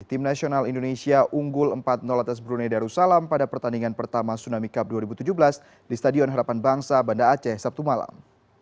tim nasional indonesia unggul empat atas brunei darussalam pada pertandingan pertama tsunami cup dua ribu tujuh belas di stadion harapan bangsa banda aceh sabtu malam